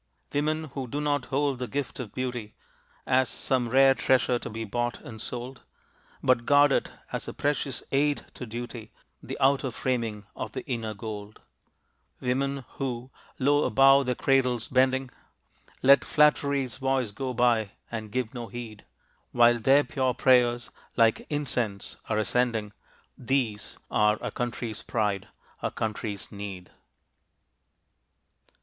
Women who do not hold the gift of beauty As some rare treasure to be bought and sold, But guard it as a precious aid to duty The outer framing of the inner gold; Women who, low above their cradles bending, Let flattery's voice go by, and give no heed, While their pure prayers like incense are ascending: These are our country's pride, our country's need.